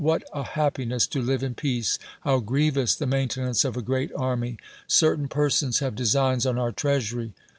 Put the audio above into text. ''Wh;!t a happiness to live in peace! how grrievous tb.e maintenance of a threat army ! certain persons have designs on our treasury!"